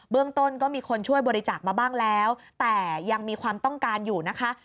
เรื่องต้นก็มีคนช่วยบริจาคมาบ้างแล้วแต่ยังมีความต้องการอยู่นะคะ